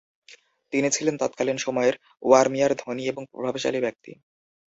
তিনি ছিলেন তৎকালীন সময়ের ওয়ার্মিয়ার ধনী এবং প্রভাবশালী ব্যক্তি।